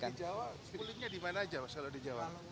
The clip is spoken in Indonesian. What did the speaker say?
yang di jawa kulitnya dimana aja kalau di jawa